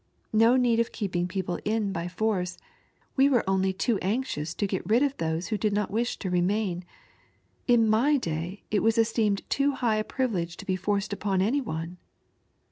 No need of keeping people in by force, we were only too anxious to get rid of those who did not wish to remain. In my day it was esteemed too high a privilege to be forced upon any one."